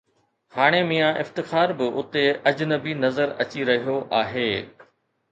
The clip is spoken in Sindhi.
هاڻي ميان افتخار به اتي اجنبي نظر اچي رهيو آهي.